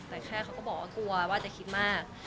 แต่แค่เขาก็บอกว่ากลัวว่าจะคิดมาก